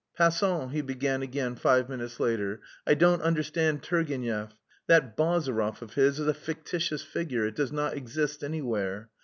"Passons," he began again, five minutes later. "I don't understand Turgenev. That Bazarov of his is a fictitious figure, it does not exist anywhere.